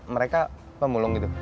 mereka pemulung gitu